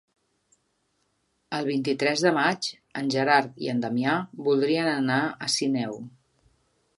El vint-i-tres de maig en Gerard i en Damià voldrien anar a Sineu.